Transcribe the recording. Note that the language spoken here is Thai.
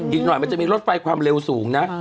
อีกหน่อยมันจะมีรถไฟความเร็วสูงนะ